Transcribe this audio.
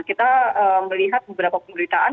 kita melihat beberapa pemberitaan